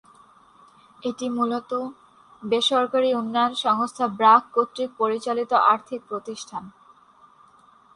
এটি মূলত; বেসরকারি উন্নয়ন সংস্থা ব্র্যাক কর্তৃক পরিচালিত আর্থিক প্রতিষ্ঠান।